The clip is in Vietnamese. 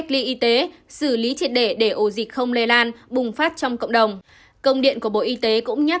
lý triệt để để ổ dịch không lây lan bùng phát trong cộng đồng công điện của bộ y tế cũng nhắc